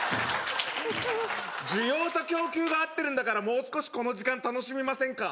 需要と供給が合ってるんだからもう少しこの時間楽しみませんか？